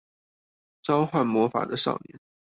召喚魔法的少年